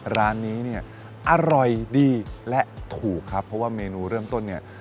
ร้านนี้เนี่ยอร่อยดีและถูกครับเพราะว่าเมนูเริ่มต้นเนี่ย